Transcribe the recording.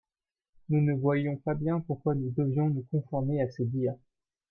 nous ne voyions pas bien pourquoi nous devions nous conformer à ses dires.